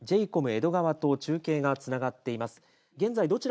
江戸川と中継がつながっています。